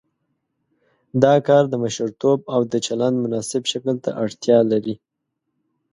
دا کار د مشرتوب او د چلند مناسب شکل ته اړتیا لري.